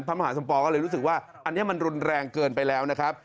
มหาสมปองก็เลยรู้สึกว่าอันนี้มันรุนแรงเกินไปแล้วนะครับ